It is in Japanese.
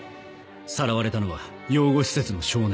さらわれたのは養護施設の少年。